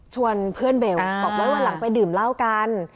ชวนเพื่อนเบลบอกว่าวันหลังไปดื่มเหล้ากัน